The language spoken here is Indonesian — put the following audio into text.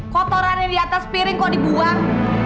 kotoran yang di atas piring kok dibuang